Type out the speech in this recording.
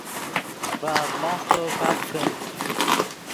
ڤے اڤلاستو کپ کن